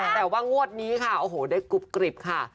แต่ว่างวดนี้ค่ะโอ้โหได้กรุบกริบค่ะ